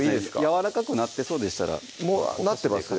やわらかくなってそうでしたらもうなってますよ